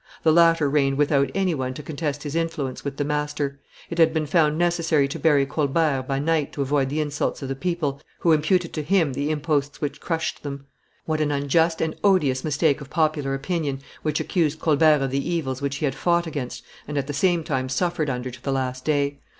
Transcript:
The latter reigned without any one to contest his influence with the master. It had been found necessary to bury Colbert by night to avoid the insults of the people, who imputed to him the imposts which crushed them. What an unjust and odious mistake of popular opinion which accused Colbert of the evils which he had fought against and at the same time suffered under to the last day!